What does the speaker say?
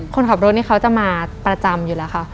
คนขับรถนี่เขาจะมาประจำอยู่แล้วค่ะ